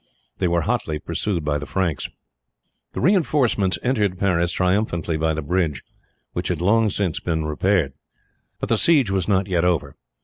They were hotly pursued by the Franks. The reinforcements entered Paris triumphantly by the bridge, which had long since been repaired. But the siege was not yet over.